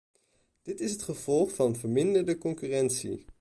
Dit is het gevolg van verminderde concurrentie.